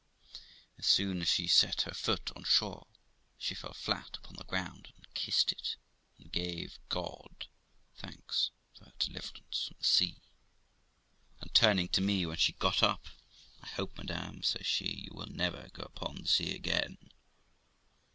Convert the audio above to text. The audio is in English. As soon as she set her foot on shore she fell flat upon the ground and kissed it, and gave God thanks for her deliverance from the sea; and turning to me when she got up, 'I hope, madam', says she, ' you will never go upon the sea again.'